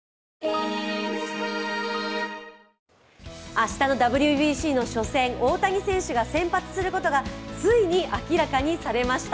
明日のＷＢＣの初戦、大谷選手が先発することがついに明らかにされました。